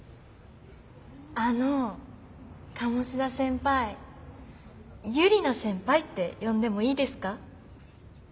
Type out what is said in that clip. あの鴨志田先輩ユリナ先輩って呼んでもいいですか？